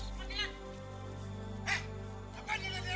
tarik kemana ya